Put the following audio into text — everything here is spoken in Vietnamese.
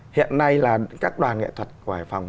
hiện nay là các đoàn nghệ thuật của hải phòng